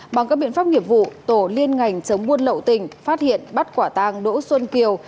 bằng các biện pháp nghiệp vụ tổ liên ngành chống buôn lậu tỉnh phát hiện bắt quả tàng đỗ xuân kiều